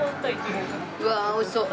うわ美味しそう。